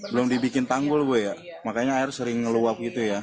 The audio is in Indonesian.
belum dibikin tanggul bu ya makanya air sering ngeluap gitu ya